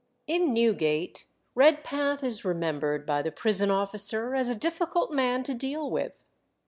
In Newgate Redpath is remembered by the prison officer as a difficult man to deal with.